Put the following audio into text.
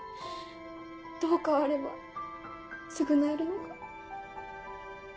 どう変われば償えるのか。